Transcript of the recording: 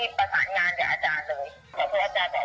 อธิบายบอกว่าอาจารย์ไม่โกรธไม่อะไร